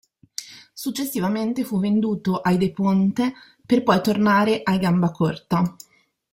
Successivamente fu venduto ai de Ponte per poi tornare ai Gambacorta.